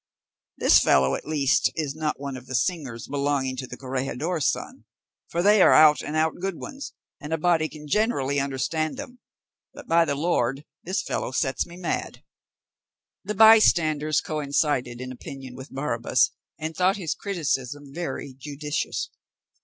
This fellow at least, is not one of the singers belonging to the corregidor's son, for they are out and out good ones, and a body can generally understand them; but, by the Lord, this fellow sets me mad." The bystanders coincided in opinion with Barrabas, and thought his criticism very judicious.